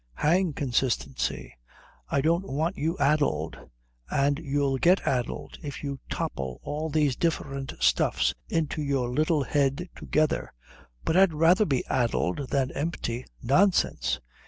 "Hang consistency! I don't want you addled. And you'll get addled if you topple all these different stuffs into your little head together." "But I'd rather be addled than empty." "Nonsense!